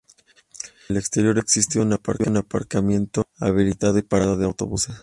En el exterior existe un aparcamiento habilitado y parada de autobuses.